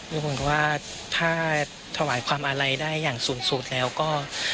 เหมือนว่าถ้าถวายความอาลัยได้อย่างสูงสุดแล้วก็